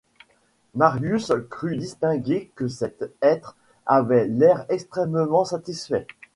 Marius crut distinguer que cet être avait l’air extrêmement satisfait.